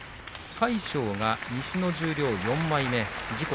魁勝が西の十両４枚目自己